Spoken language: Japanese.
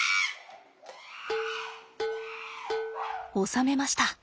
収めました。